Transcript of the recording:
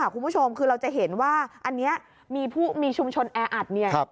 คุณผู้ชมคือเราจะเห็นว่าอันนี้มีชุมชนแอร์อัด